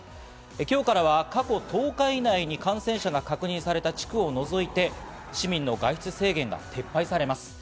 今日からは過去１０日以内に感染者が確認された地区を除いて市民の外出制限は撤廃されます。